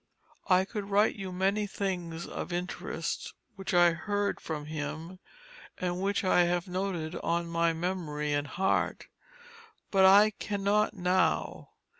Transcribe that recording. I could write you many things of interest which I heard from him, and which I have noted on my memory and heart; but I cannot now.